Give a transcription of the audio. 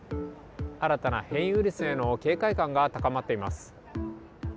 新たな変異ウイルスへの警戒感が高まっています。